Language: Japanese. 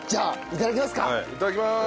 いただきます。